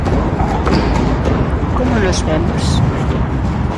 Como nos vemos?